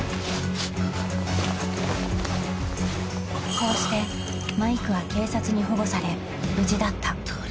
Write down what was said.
［こうしてマイクは警察に保護され無事だった］